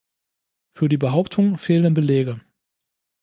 Für die Behauptung fehlen Belege.